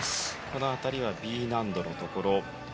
この辺りはＢ難度のところ。